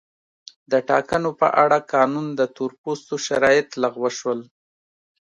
د ټاکنو په اړه قانون د تور پوستو شرایط لغوه شول.